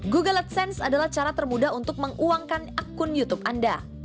google adsense adalah cara termudah untuk menguangkan akun youtube anda